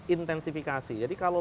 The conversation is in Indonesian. intensifikasi jadi kalau